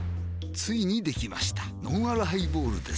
ついにできましたのんあるハイボールです